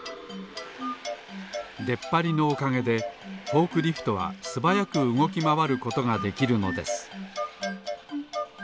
でっぱりのおかげでフォークリフトはすばやくうごきまわることができるのです